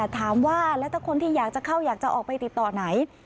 ถามว่าแล้วถ้าคนที่อยากจะเข้าอยากจะออกไปติดต่อไหน